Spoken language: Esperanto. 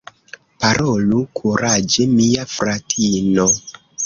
Parolu kuraĝe, mia fratino!